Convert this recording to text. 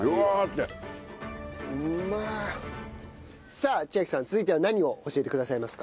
さあ千晶さん続いては何を教えてくださいますか？